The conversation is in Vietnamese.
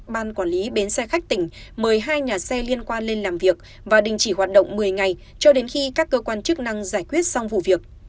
ban quản lý bến xe khách tỉnh mời hai nhà xe liên quan lên làm việc và đình chỉ hoạt động một mươi ngày cho đến khi các cơ quan chức năng giải quyết xong vụ việc